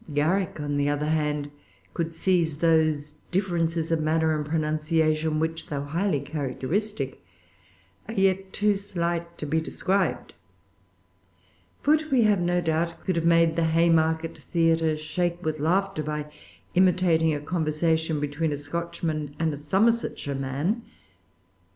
Garrick, on the other hand, could seize those differences of manner and pronunciation, which, though highly characteristic, are yet too slight to be described. Foote, we have no doubt, could have made the Haymarket Theatre shake with laughter by imitating a conversation between a Scotchman and a Somersetshireman.